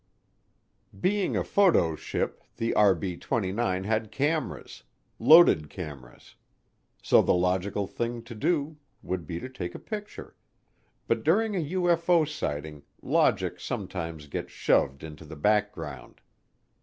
Being a photo ship, the RB 29 had cameras loaded cameras so the logical thing to do would be to take a picture, but during a UFO sighting logic sometimes gets shoved into the background.